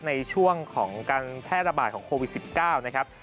ในช่วงของการแพร่ระบาดของโควิด๑๙นะครับ